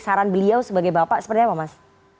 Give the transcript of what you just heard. saran beliau sebagai bapak seperti apa mas